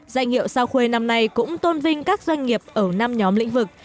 danh hiệu sao khuê năm nay cũng tôn vinh các doanh nghiệp ở năm nhóm lĩnh vực